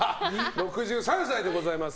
６３歳でございます。